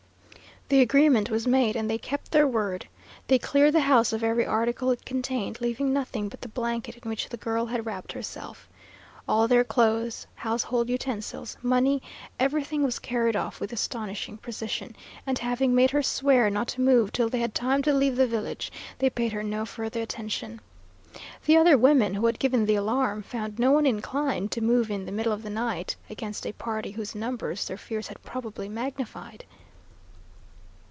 The agreement was made, and they kept their word. They cleared the house of every article it contained, leaving nothing but the blanket in which the girl had wrapped herself. All their clothes, household utensils, money, everything was carried off with astonishing precision; and having made her swear not to move till they had time to leave the village, they paid her no further attention. The other women, who had given the alarm, found no one inclined to move in the middle of the night against a party whose numbers their fears had probably magnified.